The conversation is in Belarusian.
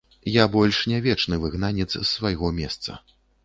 Я больш не вечны выгнанец з свайго месца.